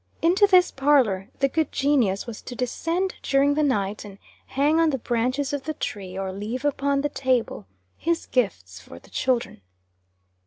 Into this parlor the good genius was to descend during the night, and hang on the branches of the tree, or leave upon the table, his gifts for the children.